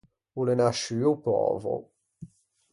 O l’é nasciuo pöveo.